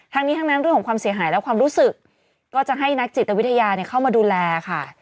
ทั้งนี้ทั้งนั้นเรื่องของความเสียหายและความรู้สึกก็จะให้นักจิตวิทยาเข้ามาดูแลค่ะ